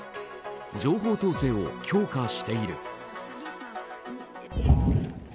情報統制を強化している。